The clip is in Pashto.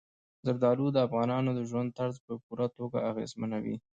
زردالو د افغانانو د ژوند طرز په پوره توګه اغېزمنوي.